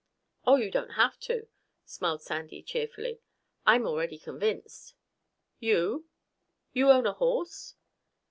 "Oh, you don't have to," smiled Sandy cheerfully. "I'm already convinced." "You? You own a horse?"